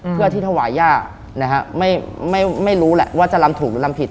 เพื่อที่ถวายย่านะฮะไม่รู้แหละว่าจะลำถูกหรือลำผิด